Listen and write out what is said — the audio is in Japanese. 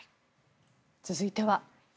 続いては。